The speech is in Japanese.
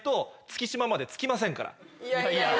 いやいや。